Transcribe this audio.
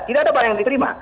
tidak ada barang yang diterima